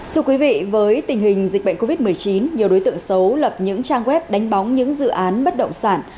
thưa quý vị với tình hình dịch bệnh covid một mươi chín nhiều đối tượng xấu lập những trang web đánh bóng những dự án bất động sản